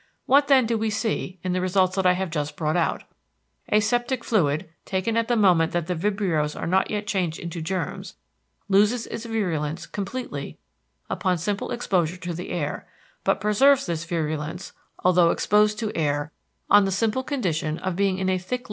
What then do we see, in the results that I have just brought out? A septic fluid, taken at the moment that the vibrios are not yet changed into germs, loses its virulence completely upon simple exposure to the air, but preserves this virulence, although exposed to air on the simple condition of being in a thick layer for some hours.